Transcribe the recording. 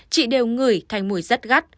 chị đều ngửi thành mùi rất gắt